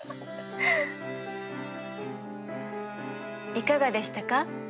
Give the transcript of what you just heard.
いかがでしたか？